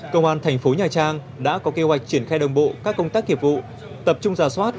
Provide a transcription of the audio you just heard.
công an tp nha trang đã có kế hoạch triển khai đồng bộ các công tác hiệp vụ tập trung giả soát